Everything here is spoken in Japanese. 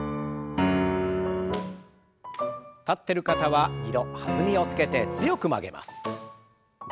立ってる方は２度弾みをつけて強く曲げます。